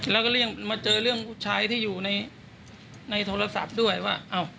แล้วก็เลี่ยงมาเจอเรื่องผู้ชายที่อยู่ในโทรศัพท์ด้วยว่า